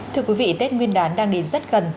thưa quý vị tết nguyên đán đang đến rất gần